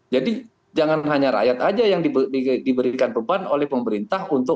jadi jangan hanya rakyat aja yang diberikan beban oleh pemerintah untuk